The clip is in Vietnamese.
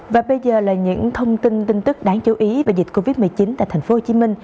và bây giờ là những thông tin tin tức đáng chú ý về dịch covid một mươi chín tại tp hcm